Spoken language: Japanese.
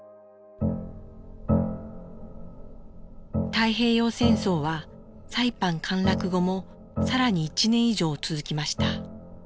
太平洋戦争はサイパン陥落後も更に１年以上続きました。